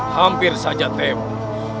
hampir saja tebus